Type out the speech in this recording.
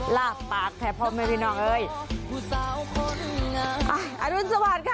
ลากปากแทบพร้อมไว้พี่น้องเอ้ยอ่ะอรุณสวัสดิ์ค่ะ